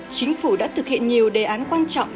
chính phủ đã thực hiện nhiều đề án quan trọng